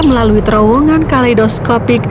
melalui terowongan kaleidoskopik